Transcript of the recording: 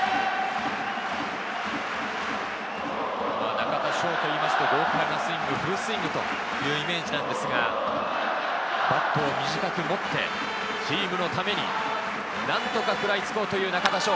中田翔といいますと豪快なスイング、フルスイングというイメージなんですが、バットを短く持って、チームのために何とか食らいつこうという中田翔。